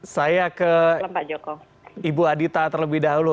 saya ke ibu adita terlebih dahulu